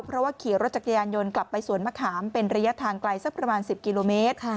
เพราะว่าขี่รถจักรยานยนต์กลับไปสวนมะขามเป็นระยะทางไกลสักประมาณ๑๐กิโลเมตร